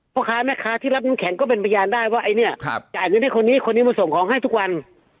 พ่อค้าแม่ค้าที่รับน้องแข็งก็เป็นบริยารได้ว่าไอ้เนี้ยครับจะอาจจะได้คนนี้คนนี้มาส่งของให้ทุกวัน